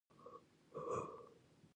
د ژوند ورځې شپې سبا کوي ۔